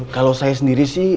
kalau saya sendiri sih